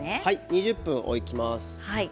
２０分置いておきます。